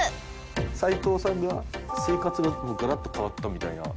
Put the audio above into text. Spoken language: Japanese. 齊藤さんが生活がもうガラッと変わったみたいな。